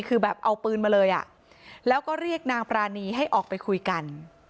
คือแบบเอาปืนมาเลยอ่ะแล้วก็เรียกนางปรานีให้ออกไปคุยกัน